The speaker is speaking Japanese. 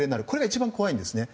これが一番怖いんです。